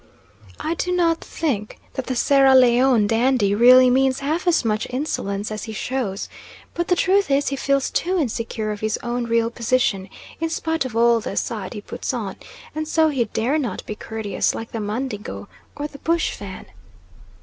I do not think that the Sierra Leone dandy really means half as much insolence as he shows; but the truth is he feels too insecure of his own real position, in spite of all the "side" he puts on, and so he dare not be courteous like the Mandingo or the bush Fan.